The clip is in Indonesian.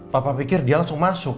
papa pikir dia langsung masuk